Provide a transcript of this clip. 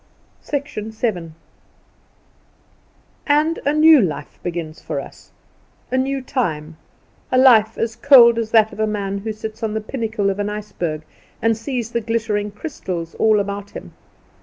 VII. And a new life begins for us a new time, a life as cold as that of a man who sits on the pinnacle of an iceberg and sees the glittering crystals all about him.